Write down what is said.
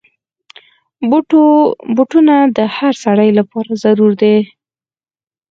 بوټونه د هر سړي لپاره ضرور دي.